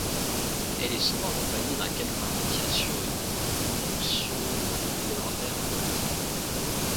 Elle est souvent accompagnée d’un calepin, qui assure une fonction complémentaire pour le tir.